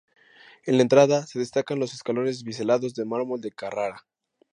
En la entrada, se destacan los escalones biselados de mármol de Carrara.